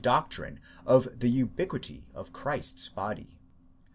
doctrine of the ubiquity of Christ's body.